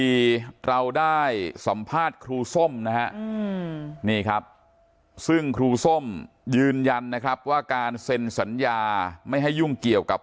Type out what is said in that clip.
เราได้สัมภาษณ์ครูส้มนะฮะนี่ครับซึ่งครูส้มยืนยันนะครับว่าการเซ็นสัญญาไม่ให้ยุ่งเกี่ยวกับ